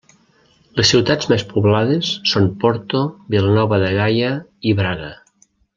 Les ciutats més poblades són Porto, Vila Nova de Gaia i Braga.